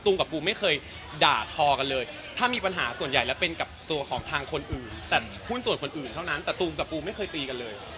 กับปูไม่เคยด่าทอกันเลยถ้ามีปัญหาส่วนใหญ่แล้วเป็นกับตัวของทางคนอื่นแต่หุ้นส่วนคนอื่นเท่านั้นแต่ตูมกับปูไม่เคยตีกันเลย